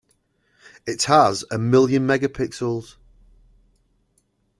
It has a million megapixels.